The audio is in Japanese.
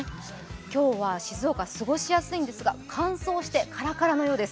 今日は静岡過ごしやすいんですが乾燥して、カラカラのようです。